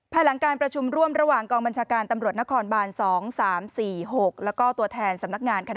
ภายหลังการประชุมร่วมระหว่าง